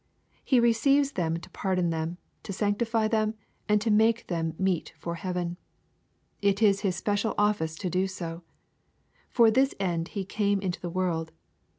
He receives them to pardon them, to sanctify them, and to make them meet for heaven. It is His special office to do so. For this end He came into the world.